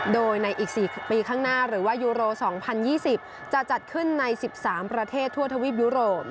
โดยในอีก๔ปีข้างหน้าหรือว่ายูโร๒๐๒๐จะจัดขึ้นใน๑๓ประเทศทั่วทวีปยุโรป